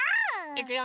いくよ！